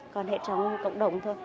còn hệ trống cộng đồng thôi